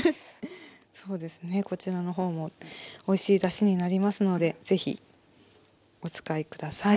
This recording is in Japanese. そうですねこちらの方もおいしいだしになりますのでぜひお使い下さい。